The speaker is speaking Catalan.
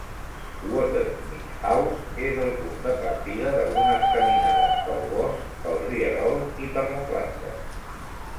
Watersmeet House és el punt de partida d'algunes caminades pel bosc, pel rierol y per la platja.